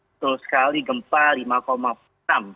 betul sekali gempa lima enam